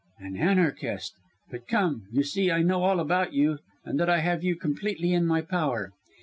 "An Anarchist! But come, you see I know all about you and that I have you completely in my power.